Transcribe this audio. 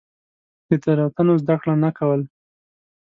له تېروتنو زده کړه نه کول.